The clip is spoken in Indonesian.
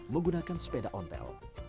menggunakan sepeda ontel